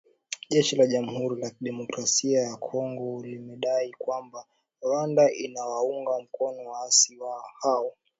Jeshi la jamhuri ya kidemokrasia ya Kongo limedai kwamba Rwanda inawaunga mkono waasi hao